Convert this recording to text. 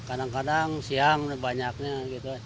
kadang kadang siang udah banyaknya gitu